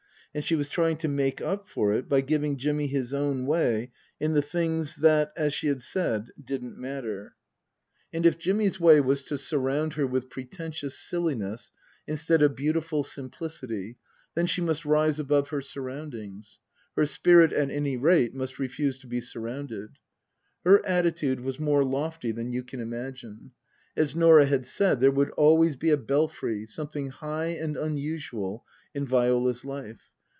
And she was trying to make up for it by giving Jimmy his own way in the things that, as she had said, " didn't matter." 198 Tasker Jevons And if Jimmy's way was to surround her with pre tentious silliness instead of beautiful simplicity, then she must rise above her surroundings. Her spirit, at any rate, must refuse to be surrounded. Her attitude was more lofty than you can imagine. As Norah had said, there would always be a Belfry something high and unusual in Viola's life.